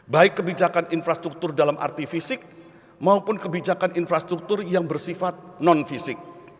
baik kebijakan infrastruktur dalam arti fisik maupun kebijakan infrastruktur yang bersifat non fisik